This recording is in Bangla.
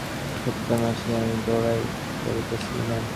সত্যই মাসি, আমি বাড়াইয়া বলিতেছি না।